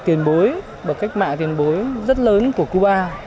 tiền bối và cách mạng tiền bối rất lớn của cuba